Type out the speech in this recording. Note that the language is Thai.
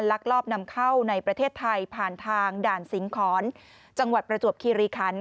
ลักลอบนำเข้าในประเทศไทยผ่านทางด่านสิงหอนจังหวัดประจวบคีรีคัน